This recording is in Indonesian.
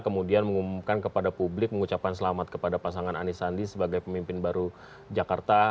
kemudian mengumumkan kepada publik mengucapkan selamat kepada pasangan anies sandi sebagai pemimpin baru jakarta